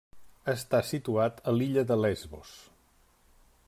Està situat a l'illa de Lesbos.